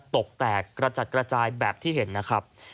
ตกแตกกระจัดกระจายแบบที่เห็นนะครับ